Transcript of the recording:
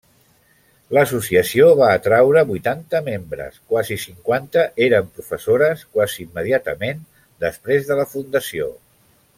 L'associació va atraure vuitanta membres, quasi cinquanta eren professores quasi immediatament després de la fundació.